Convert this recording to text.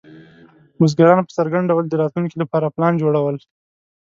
بزګران په څرګند ډول د راتلونکي لپاره پلان جوړول.